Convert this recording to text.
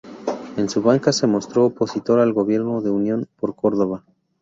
En su banca se mostró opositor al gobierno de Unión por Córdoba.